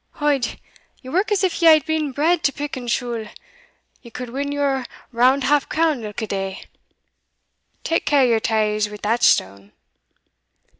Od, ye work as if ye had been bred to pick and shule ye could win your round half crown ilka day. Tak care o' your taes wi' that stane!"